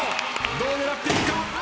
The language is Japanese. どう狙っていくか？